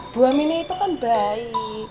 bu aminah itu kan bayi